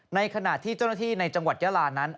ในขณะที่เจ้าหน้าที่ในจังหวัดยาลานั้น